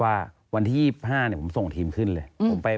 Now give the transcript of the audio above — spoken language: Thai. วันที่๒๕ผมส่งทีมขึ้นเลย